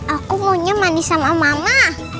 aku maunya manis sama mama